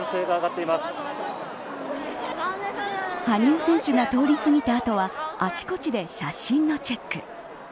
羽生選手が通り過ぎた後はあちこちで写真のチェック。